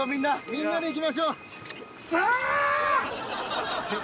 みんなでいきましょう。